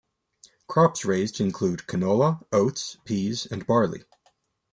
Crops raised include canola, oats, peas and barley.